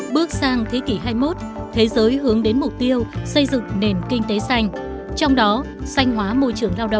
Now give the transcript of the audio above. hãy đăng ký kênh để ủng hộ kênh của chúng mình nhé